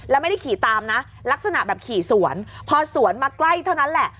แล้วไม่ได้ขี่ตามนะลักษณะแบบขี่สวนพอสวนมาใกล้เท่านั้นแหละ